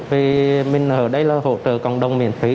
vì mình ở đây là hỗ trợ cộng đồng miễn phí